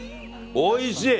おいしい！